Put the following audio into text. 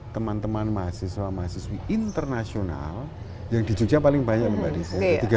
teman teman mahasiswa mahasiswi internasional yang di jogja paling banyak lebih tiga ribu an ya